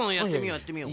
やってみよう。